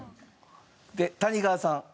で谷川さん